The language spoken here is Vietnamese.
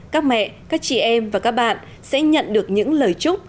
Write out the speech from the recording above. các mẹ các chị em và các bạn sẽ nhận được những lời chúc